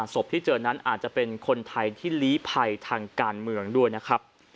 ศพที่เจอนั้นอาจจะเป็นคนไทยที่ลีภัยทางการเมืองด้วยนะครับ